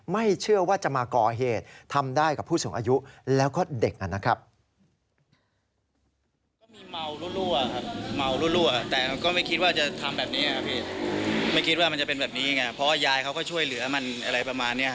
ไม่เชื่อว่าจะมาก่อเหตุทำได้กับผู้สูงอายุแล้วก็เด็กนะครับ